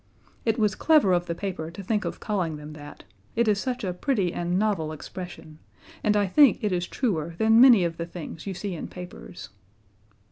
It was clever of the paper to think of calling them that it is such a pretty and novel expression, and I think it is truer than many of the things you see in papers.